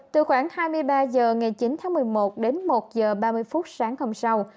từ khoảng hai mươi ba h ngày chín tháng một mươi một đến một h ba mươi phút sáng hôm sau